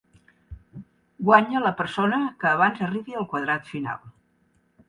Guanya la persona que abans arribi al quadrat final.